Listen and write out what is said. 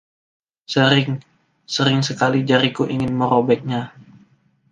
Sering, sering sekali jariku ingin merobeknya.